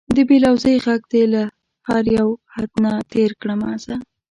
د بې لوظۍ غږ دې له هر یو حد نه تېر کړمه زه